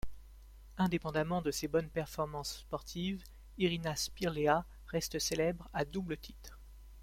Indépendamment de ses bonnes performances sportives, Irina Spîrlea reste célèbre à double titre.